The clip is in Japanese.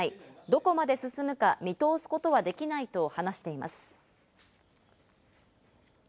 どこまで進むか見通すことはできないと話しています。